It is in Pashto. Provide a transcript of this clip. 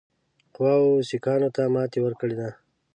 قواوو سیکهانو ته ماته ورکړې ده.